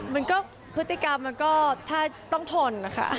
มันก็พฤติกรรมมันก็ถ้าต้องทนนะคะ